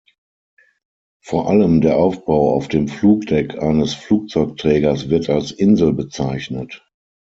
Vor allem der Aufbau auf dem Flugdeck eines Flugzeugträgers wird als "Insel" bezeichnet.